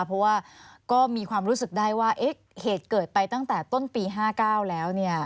เพราะว่าก็มีความรู้สึกได้ว่าเหตุเกิดไปตั้งแต่ต้นปี๕๙แล้ว